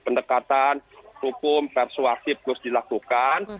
pendekatan hukum persuasi harus dilakukan